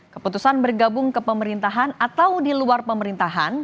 keputusan bergabung ke pemerintahan atau di luar pemerintahan